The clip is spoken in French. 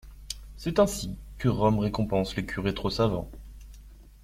C'est ainsi que Rome récompense les curés trop savants.